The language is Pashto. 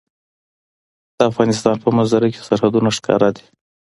د افغانستان په منظره کې سرحدونه ښکاره ده.